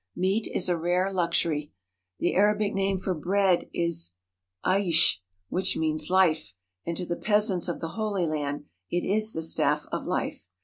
Meat is a rare luxury. The Arabic name for bread is aish, which means life, and to the peasants of the Holy Land it is the staff of life.